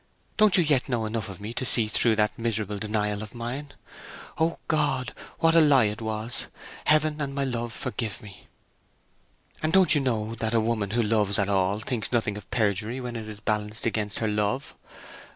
Don't you yet know enough of me to see through that miserable denial of mine? O God, what a lie it was! Heaven and my Love forgive me. And don't you know that a woman who loves at all thinks nothing of perjury when it is balanced against her love?